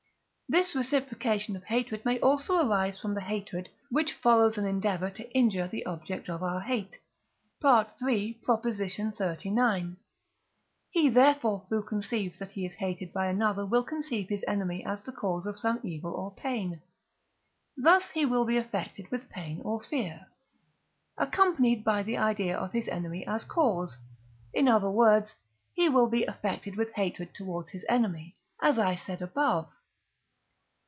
This reciprocation of hatred may also arise from the hatred, which follows an endeavour to injure the object of our hate (III. xxxix.). He therefore who conceives that he is hated by another will conceive his enemy as the cause of some evil or pain; thus he will be affected with pain or fear, accompanied by the idea of his enemy as cause; in other words, he will be affected with hatred towards his enemy, as I said above.